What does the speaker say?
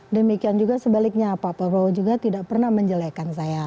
demikian juga sebaliknya pak prabowo juga tidak pernah menjelekan saya